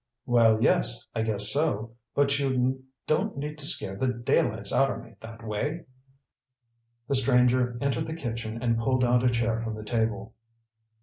"Well, yes; I guess so. But you don't need to scare the daylights outer me, that way." The stranger entered the kitchen and pulled out a chair from the table.